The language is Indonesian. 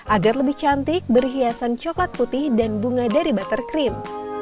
agar lebih cantik berhiasan coklat putih dan bunga dari buttercream